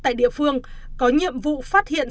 tại địa phương có nhiệm vụ phát hiện